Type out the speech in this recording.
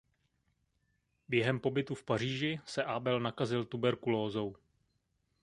Během pobytu v Paříži se Abel nakazil tuberkulózou.